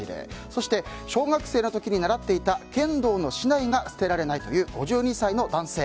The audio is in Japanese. そして、小学生の時に習っていた剣道の竹刀が捨てられないという５２歳の男性。